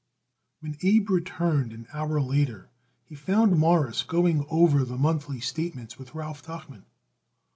When Abe returned an hour later he found Morris going over the monthly statements with Ralph Tuchman.